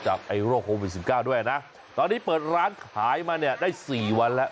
ไอ้โรคโควิด๑๙ด้วยนะตอนนี้เปิดร้านขายมาเนี่ยได้สี่วันแล้ว